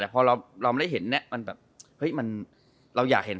พอเราไม่ได้เห็น